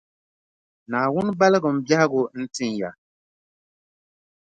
Naawuni baligimi biɛhigu n-tin ya.